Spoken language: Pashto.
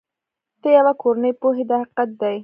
ته یوه کورنۍ پوهوې دا حقیقت دی.